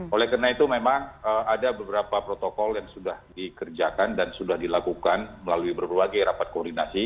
oleh karena itu memang ada beberapa protokol yang sudah dikerjakan dan sudah dilakukan melalui berbagai rapat koordinasi